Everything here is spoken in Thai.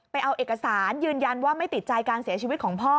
เอาเอกสารยืนยันว่าไม่ติดใจการเสียชีวิตของพ่อ